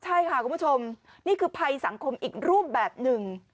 ใช่ค่ะคุณผู้ชมนี่คือภัยสังคมอีกรูปแบบหนึ่ง